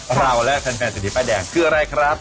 พราวแล้วแฟนสีดีป้ายแดงคืออะไรครับ